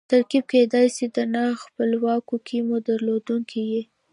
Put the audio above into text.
ترکیب کېدای سي د نا خپلواکو کیمو درلودونکی يي.